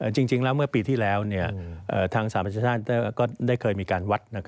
จริงแล้วเมื่อปีที่แล้วทางสหประชาชาติก็ได้เคยมีการวัด